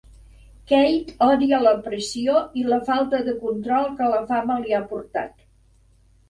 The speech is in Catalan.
Kate odia la pressió i la falta de control que la fama li ha portat.